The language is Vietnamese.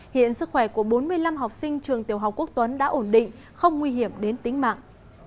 hiện sức khỏe của bốn mươi năm học sinh trường tiểu học quốc tuấn đã ổn định không nguy hiểm đến tính mạng